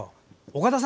岡田さん